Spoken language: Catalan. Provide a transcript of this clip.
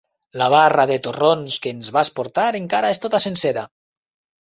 La barra de torrons que ens vas portar encara és tota sencera.